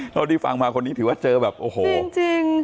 เท่าที่ฟังมาคนนี้ถือว่าเจอแบบโอ้โหจริง